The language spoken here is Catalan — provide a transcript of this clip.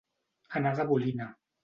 Anar de bolina.